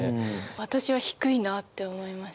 私は低いなって思いました。